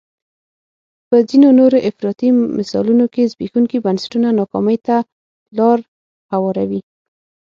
په ځینو نورو افراطي مثالونو کې زبېښونکي بنسټونه ناکامۍ ته لار هواروي.